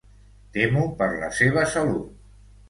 Temo per la seva salut.